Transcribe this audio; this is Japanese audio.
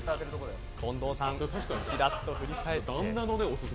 近藤さんがちらっと振り返って。